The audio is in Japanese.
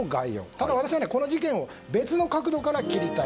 ただ私はこの事件を別の角度から切りたい。